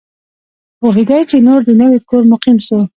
پوهېدی چي نور د نوي کور مقیم سو